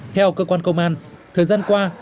theo cơ quan công an thời gian qua